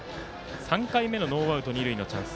３回の目のノーアウト二塁のチャンス。